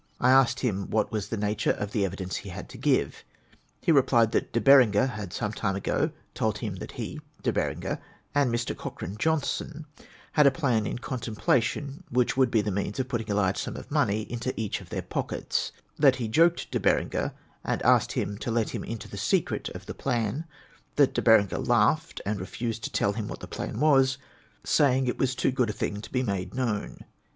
I asked him what was the nature of the evidence he had to give? He replied, that De Berenger had some time ago told him that he, De Berenger, and Mr. Cochrane Johnstone, had a plan in contemplation, which would be the means of putting a large sum of money into each of their pockets : that he joked De Berenger, and asked him to let him into the secret of the plan : that De Berenger laughed, and refused to tell him what the plan was, saying it was too good a thing to be made known.